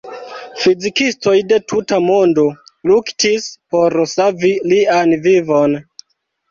Fizikistoj de tuta mondo luktis por savi lian vivon.